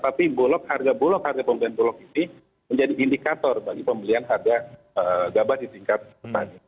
tapi harga bulog harga pembelian bulog ini menjadi indikator bagi pembelian harga gabah di tingkat petani